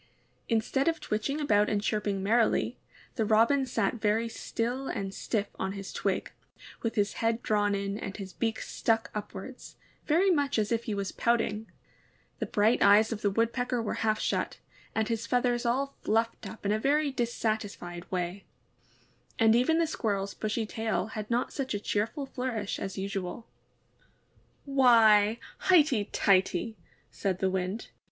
Instead of twitching about and chirping merrily, the Robin sat very still and stiff on his twig, with his head drawn in and his beak stuck upwards, very much as if he was pouting; the bright eyes of the Wood pecker were half shut, and his feathers all fluffed up in a very dissatisfled way; and even the SquirreFs bushy tail had not such a cheer ful flourish as usual. 'Why, highty tighty!'' said the Wind.